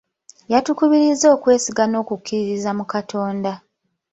Yatukubirizza okwesiga n'okukkiririza mu Katonda.